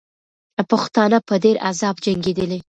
پښتانه په ډېر عذاب جنګېدلې.